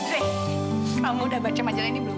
eh kamu udah baca majalah ini belum